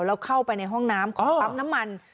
แล้วเข้าไปในห้องน้ำของปั๊มน้ำมัน